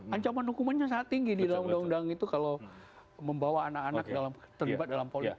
ancaman hukumannya sangat tinggi di dalam undang undang itu kalau membawa anak anak terlibat dalam politik